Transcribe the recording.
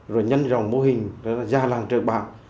rồi nhân dòng mô hình gia làng trợ bạc